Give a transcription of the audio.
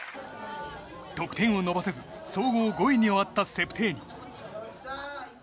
得点を伸ばせず総合５位に終わったセプテーニ。